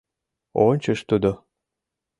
Ончыш тудо